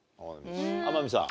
天海さん。